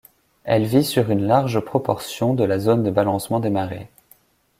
Elle vit sur une large proportion de la zone de balancement des marées.